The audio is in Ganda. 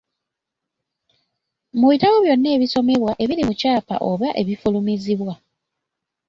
Mu bitabo byonna ebisomebwa ebiri mu kyapa oba ebifulumizibwa.